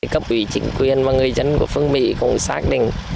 cấp ủy chính quyền và người dân của phương mỹ cũng xác định